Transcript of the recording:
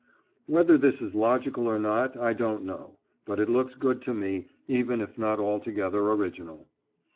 Whether this is logical or not, I don't know, but it looks good to me, even if not altogether original.